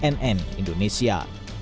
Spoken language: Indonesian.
tim liputan cnn indonesia